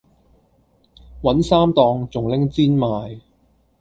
搵衫當仲拎氈賣